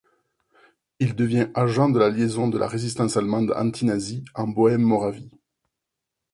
Il devient agent de liaison de la résistance allemande antinazie en Bohême-Moravie.